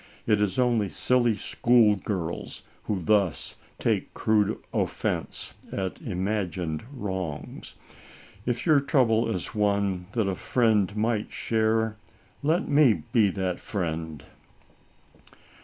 It is only silly school girls who thus take crude offense at imagined wrongs. If your trouble is one that a friend might share, let me be that friend.